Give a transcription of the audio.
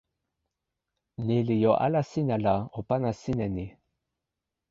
ni li jo ala sina la o pana sin e ni.